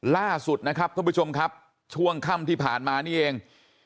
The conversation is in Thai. ล่าสุดนะครับท่านผู้ชมครับช่วงค่ำที่ผ่านมานี่เอง